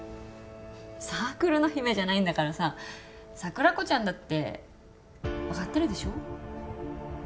サークルの姫じゃないんだからさ桜子ちゃんだってわかってるでしょ？